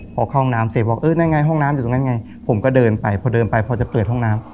พอเข้าห้องน้ำเสร็จบอกเออนั่นไงห้องน้ำอยู่ตรงนั้นไงผมก็เดินไปพอเดินไปพอจะเปิดห้องน้ำ